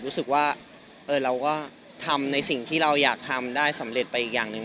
รู้สึกว่าเราก็ทำในสิ่งที่เราอยากทำได้สำเร็จไปอีกอย่างหนึ่ง